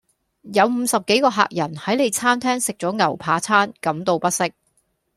有五十幾個客人喺你餐廳食咗牛扒餐，感到不適